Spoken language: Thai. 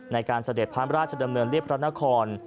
เสด็จพระราชดำเนินเรียบพระนคร